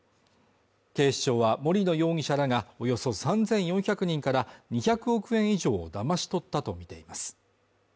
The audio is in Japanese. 警視庁は森野容疑者らがおよそ３４００人から２００億円以上をだまし取ったとみています。